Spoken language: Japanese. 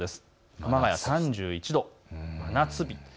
熊谷３１度、夏日。